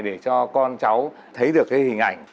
để cho con cháu thấy được hình ảnh